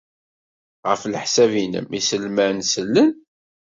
Ɣef leḥsab-nnem, iselman sellen?